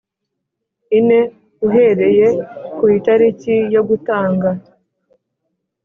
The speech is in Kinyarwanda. ine uhereye ku itariki yo gutanga